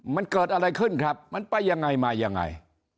มันเกิดอะไรขึ้นครับมันไปยังไงมายังไง